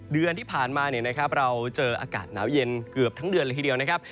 เดือนที่ผ่านมาเราเจออากาศหนาวเย็นเกือบทั้งเดือนเลยทีเดียวนะครับ